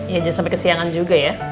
ya jangan sampai kesiangan juga ya